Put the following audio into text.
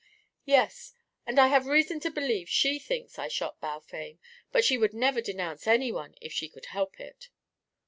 "Yes, and I have reason to believe she thinks I shot Balfame, but she would never denounce any one if she could help it."